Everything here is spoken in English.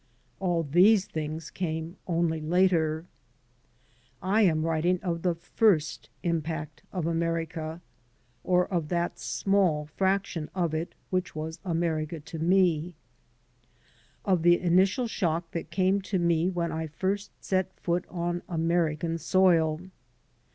All these things came only later. I am writing of the first impact of America — or of that small fraction of it which was America to me — of the initial shock that came ta^me when I first set foot on American soil.